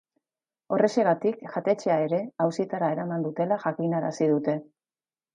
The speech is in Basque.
Horrexegatik, jatetxeaere auzitara eraman dutela jakinarazi dute.